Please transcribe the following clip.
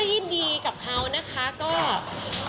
ยินดีกับเขานะคะก็